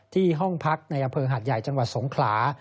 ที่ห้องพักในอำเภอหาดใหญ่จังหวัดสงขลา